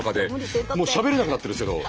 もうしゃべれなくなってるんですけど。